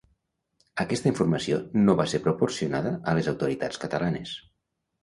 Aquesta informació no va ser proporcionada a les autoritats catalanes.